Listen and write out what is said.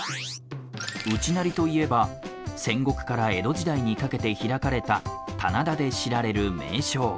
内成といえば戦国から江戸時代にかけて開かれた棚田で知られる名勝。